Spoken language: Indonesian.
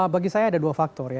bagi saya ada dua faktor ya